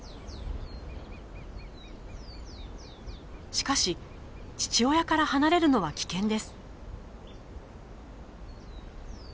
しかし父親から離れるのは危険です。